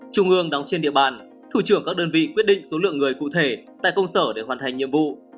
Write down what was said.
trung ương đóng trên địa bàn thủ trưởng các đơn vị quyết định số lượng người cụ thể tại công sở để hoàn thành nhiệm vụ